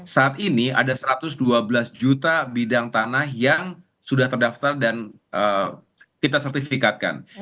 saat ini ada satu ratus dua belas juta bidang tanah yang sudah terdaftar dan kita sertifikatkan